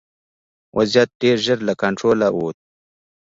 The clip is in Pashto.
وضعیت ډېر ژر له کنټروله ووت.